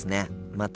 また。